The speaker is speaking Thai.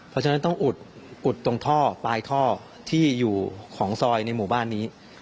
เพราะฉะนั้นต้องอุดตรงท่อปลายท่อที่อยู่ของซอยในหมู่บ้านนี้